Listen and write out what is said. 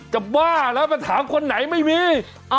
บ้าแล้วมาถามคนไหนไม่มี